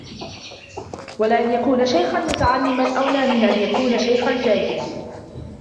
وَلَأَنْ يَكُونَ شَيْخًا مُتَعَلِّمًا أَوْلَى مِنْ أَنْ يَكُونَ شَيْخًا جَاهِلًا